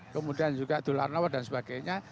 kemudian juga dul arnawa dan sebagainya